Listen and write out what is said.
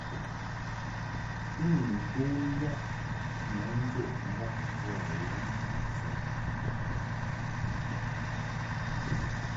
I ni ndun yab ma jəʼ ndab boa laŋndab sɛ.